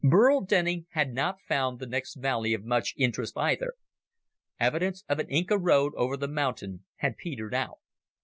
Burl Denning had not found the next valley of much interest, either. Evidence of an Inca road over the mountain had petered out.